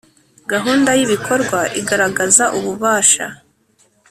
Gahunda y ibikorwa igaragaza ububasha